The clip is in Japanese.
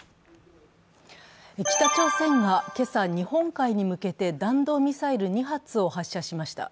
北朝鮮が今朝、日本海に向けて弾道ミサイル２発を発射しました。